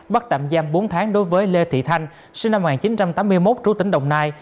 bắt tạm giam bốn tháng đối với lê thị thanh sinh năm một nghìn chín trăm tám mươi một trú tỉnh đồng nai